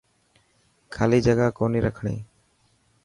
خالي جگا ڪوني رکڻي.